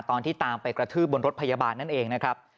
ตอนที่ตามไปกระทืบบนรถพยาบาลนั่นเองนะครับ